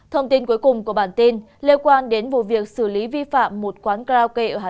thông tin cuối cùng của bản tin liên quan đến vụ việc xử lý vi phạm một quán gà